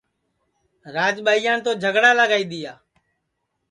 راج ٻائیان تو جھگڑا لگائی دِؔیا